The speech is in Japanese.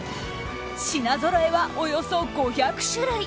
品ぞろえは、およそ５００種類。